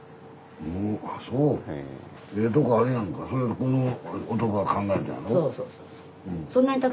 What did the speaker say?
この男が考えたんやろ？